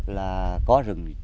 là có rừng